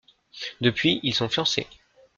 Depuis ils sont fiancés.